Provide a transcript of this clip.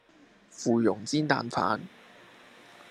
芙蓉煎蛋飯